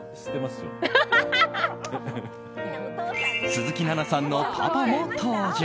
鈴木奈々さんのパパも登場。